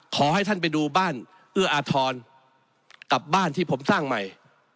ขอให้ท่านไปดูบ้านเอื้ออาทรกับบ้านที่ผมสร้างใหม่